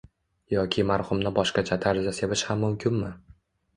Yoki marxumni boshqacha tarzda sevish ham mumkinmi?